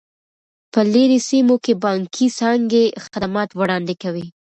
په لیرې سیمو کې بانکي څانګې خدمات وړاندې کوي.